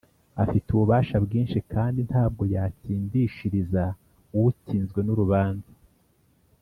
afite ububasha bwinshi kandi ntabwo yatsindishiriza utsinzwe n’urubanza